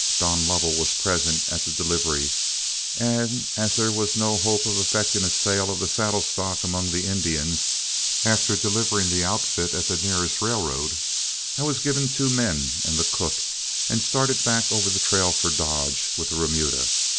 Don Lovell was present at the delivery, and as there was no hope of effecting a sale of the saddle stock among the Indians, after delivering the outfit at the nearest railroad, I was given two men and the cook, and started back over the trail for Dodge with the remuda.